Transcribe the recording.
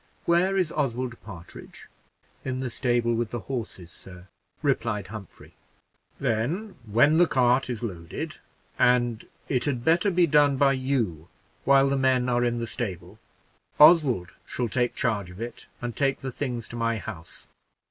Where is Oswald Partridge?" "In the stable with the horses, sir," replied Humphrey. "Then, when the cart is loaded and it had better be done by you while the men are in the stable Oswald shall take charge of it, and take the things to my house."